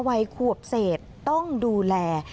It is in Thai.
วัยขวบเศษต้องดูแล